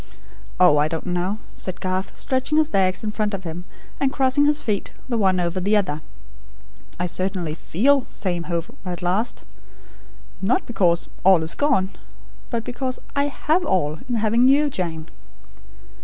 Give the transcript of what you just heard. "Oh, I don't know," said Garth, stretching his legs in front of him, and crossing his feet the one over the other. "I certainly feel 'Safe home at last' not because 'all is gone'; but because I HAVE all, in having you, Jane."